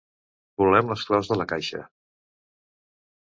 Volem les claus de la caixa!